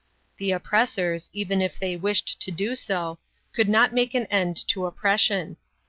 The oppressors, even if they wished to do so, could not make an end to oppression.